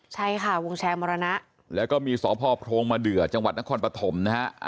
ใช่ค่ะวงแชร์มรณะแล้วก็มีสพโพรงมาเดือจังหวัดนครปฐมนะฮะ